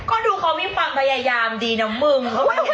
ก็ดูเขามีความพยายามดีนะมึง